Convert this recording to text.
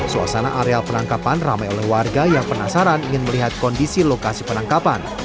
suasana areal penangkapan ramai oleh warga yang penasaran ingin melihat kondisi lokasi penangkapan